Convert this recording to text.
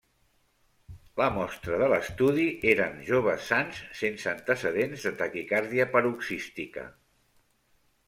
La mostra de l'estudi eren joves sans sense antecedents de taquicàrdia paroxística.